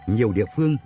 nhiều địa phương